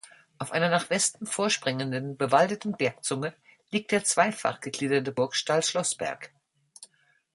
Auf einer nach Westen vorspringenden bewaldeten Bergzunge liegt der zweifach gegliederte Burgstall Schlossberg.